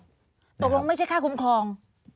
บ๊วยค่ะตกลงไม่ใช่ค่าคุมครอง